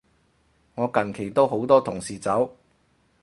我近期都好多同事走